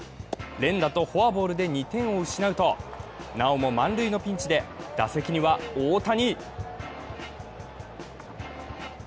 連打とフォアボールで２点を失うとなおも満塁のピンチで打席には大谷。